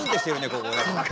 ここね。